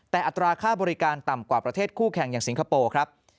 แต่อัตราค่าบริการต่ำกว่าประเทศคู่แข่งอย่างสิงคโปร์ครับ